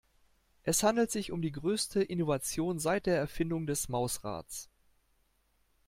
Es handelt sich um die größte Innovation seit der Erfindung des Mausrads.